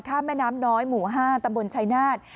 ข้ามแม่น้ำน้อยหมู่ห้าตำบลชายนาฏ